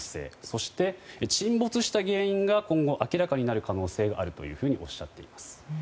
そして、沈没した原因が今後明らかになる可能性があるとおっしゃっています。